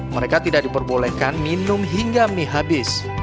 mereka tidak diperbolehkan minum hingga mie habis